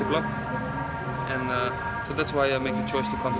dan itulah kenapa saya membuat pilihan untuk menangani